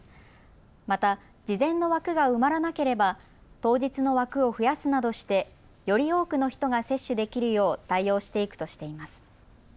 また事前の枠が埋まらなければ当日の枠を増やすなどしてより多くの人が接種できるよう対応していくとしています。